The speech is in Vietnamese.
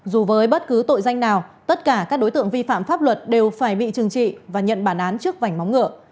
dù với bất cứ tội danh nào tất cả các đối tượng vi phạm pháp luật đều phải bị trừng trị và nhận bản án trước vảnh móng ngựa